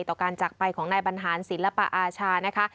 ต่อการจักรไปของนายบรรหารศิลปอาชานะคะ